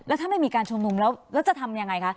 แล้วถ้าไม่มีการชุมนุมแล้วจะทำยังไงคะ